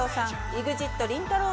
ＥＸＩＴりんたろー。